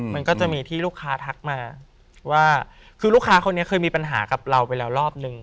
มันก็จะมีที่ลูกค้าทักมาว่าคือลูกค้าคนนี้เคยมีปัญหากับเราไปแล้วรอบนึง